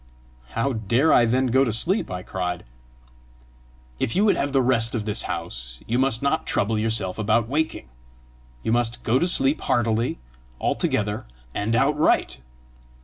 "How dare I then go to sleep?" I cried. "If you would have the rest of this house, you must not trouble yourself about waking. You must go to sleep heartily, altogether and outright."